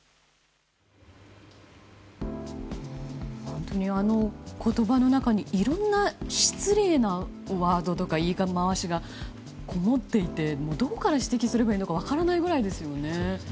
本当に、あの言葉の中にいろんな失礼なワードとか言い回しがこもっていてどこから指摘すればいいのか分からないくらいですよね。